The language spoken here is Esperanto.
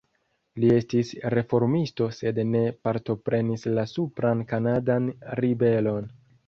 Li estis reformisto sed ne partoprenis la supran kanadan ribelon.